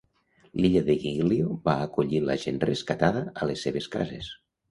L'illa de Giglio va acollir la gent rescatada a les seves cases.